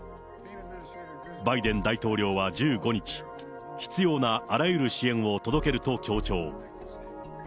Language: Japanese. バイデン大統領は１５日、必要なあらゆる支援を届けると強調。